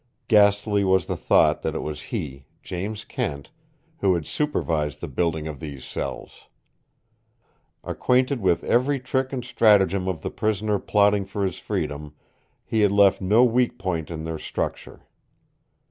Ghastly was the thought that it was he, James Kent, who had supervised the building of these cells! Acquainted with every trick and stratagem of the prisoner plotting for his freedom, he had left no weak point in their structure.